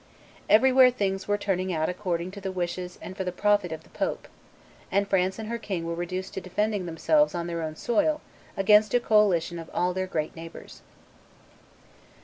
Everywhere things were turning out according to the wishes and for the profit of the pope; and France and her king were reduced to defending themselves on their own soil against a coalition of all their great neighbors.